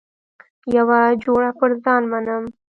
یوه جوړه پر ځان منم.